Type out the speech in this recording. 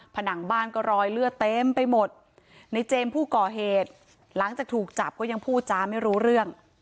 ผนังบ้านก็รอยเลือดเต็มไปหมดในเจมส์ผู้ก่อเหตุหลังจากถูกจับก็ยังพูดจ้าไม่รู้เรื่อง